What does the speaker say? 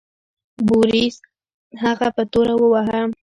بوریس هغه په توره وواهه.